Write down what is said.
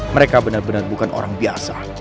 mereka bukan orang biasa